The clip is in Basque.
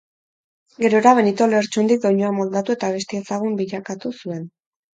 Gerora Benito Lertxundik doinua moldatu eta abesti ezagun bilakatu zuen.